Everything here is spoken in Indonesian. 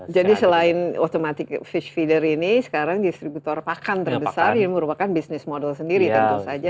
jadi selain automatic fish feeder ini sekarang distributor pakan terbesar yang merupakan business model sendiri tentu saja